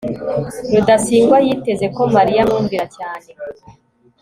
rudasingwa yiteze ko mariya amwumvira cyane